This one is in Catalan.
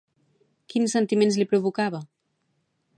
Quins sentiments li provocava?